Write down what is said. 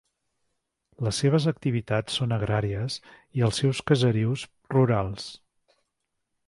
Les seves activitats són agràries i els seus caserius rurals.